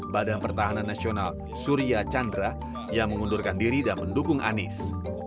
badan pertahanan nasional surya chandra yang mengundurkan diri dan mendukung anies